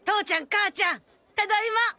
母ちゃんただいま！